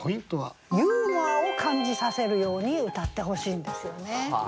ユーモアを感じさせるようにうたってほしいんですよね。